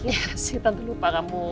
iya sih tante lupa